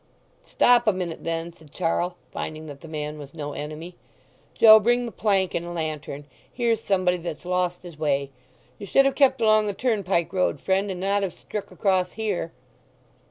"Stop a minute, then," said Charl, finding that the man was no enemy. "Joe, bring the plank and lantern; here's somebody that's lost his way. You should have kept along the turnpike road, friend, and not have strook across here."